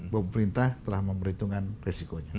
bahwa pemerintah telah memerhitungkan resikonya